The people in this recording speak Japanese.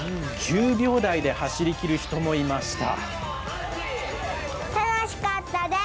９秒台で走りきる人もいました。